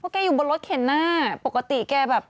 เพราะใกล้อยู่บนรถเข็นนะปกติแกแบบ